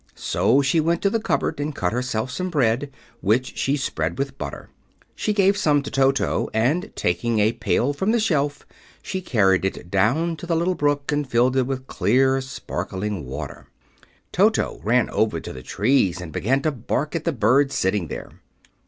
So she went to the cupboard and cut herself some bread, which she spread with butter. She gave some to Toto, and taking a pail from the shelf she carried it down to the little brook and filled it with clear, sparkling water. Toto ran over to the trees and began to bark at the birds sitting there.